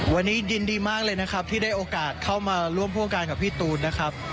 วันนี้ยินดีมากเลยนะครับที่ได้โอกาสเข้ามาร่วมโครงการกับพี่ตูนนะครับ